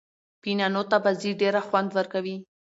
فېنانو ته بازي ډېره خوند ورکوي.